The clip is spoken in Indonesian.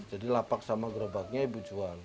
jadi lapak sama gerobaknya ibu jual